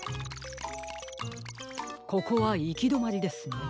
ここはいきどまりですね。